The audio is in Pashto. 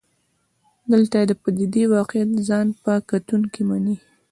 دلته د پدیدې واقعیت ځان په کتونکو مني.